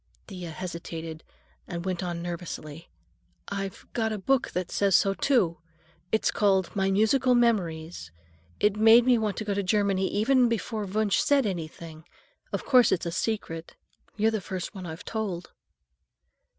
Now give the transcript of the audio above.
Thea hesitated and then went on nervously, "I've got a book that says so, too. It's called 'My Musical Memories.' It made me want to go to Germany even before Wunsch said anything. Of course it's a secret. You're the first one I've told."